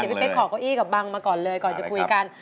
พี่เป๊กขอเก้าอี้กับบังมาก่อนเลยก่อนจะคุยกัน